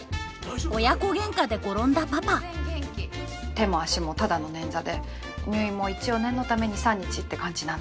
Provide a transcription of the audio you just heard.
親子げんかで転んだパパ手も足もただの捻挫で入院も一応念のため２３日って感じなんで。